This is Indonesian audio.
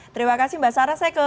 terima kasih mbak sarah saya ke